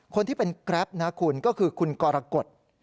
คนที่เป็นแกรปนะคุณก็คือคุณกรกฎ